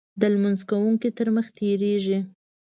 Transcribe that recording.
د لمونځ کوونکو تر مخې تېرېږي.